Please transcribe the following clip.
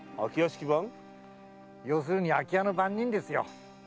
要するに空き家の番人ですよ。